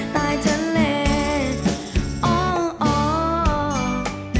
ตายจะเหล็ก